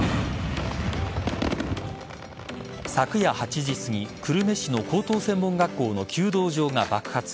昨夜８時すぎ久留米市の高等専門学校の弓道場が爆発。